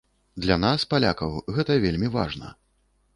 Для нас, палякаў, гэта вельмі важна.